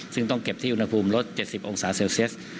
ซึ่งต้องเก็บที่อุณหภูมิลด๗๐องศาเซลเซียส